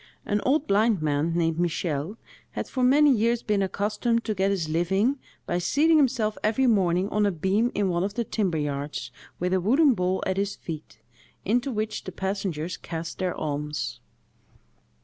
An old blind man, named Michel, had for many years been accustomed to get his living by seating himself every morning on a beam in one of the timber yards, with a wooden bowl at his feet, into which the passengers cast their alms.